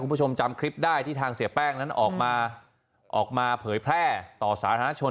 คุณผู้ชมจำคลิปได้ที่ทางเสียแป้งนั้นออกมาออกมาเผยแพร่ต่อสาธารณชน